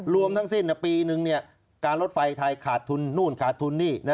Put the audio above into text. รวมทั้งสิ้นปีนึงการรถไฟไทยขาดทุนนู่นขาดทุนนี่